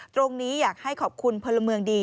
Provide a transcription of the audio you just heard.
ตรงนี้อยากให้ขอบคุณพลเมืองดี